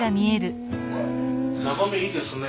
眺めいいですね。